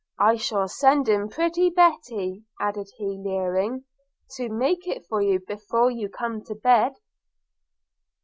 I'll send in pretty Betty,' added he leering, 'to make it for you before you come to bed.'